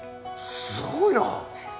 すごいな！